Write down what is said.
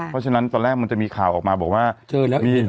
เพราะฉะนั้นตอนแรกมันจะมีข่าวออกมาบอกว่าเจอแล้วมี